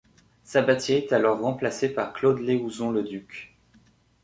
Sabatier est alors remplacé par Claude Léouzon-le-Duc.